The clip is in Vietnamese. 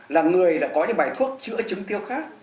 là người đã có những bài thuốc chữa chứng tiêu khát